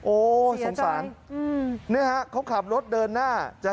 โอสงสารเข้าขับรถเดินหน้า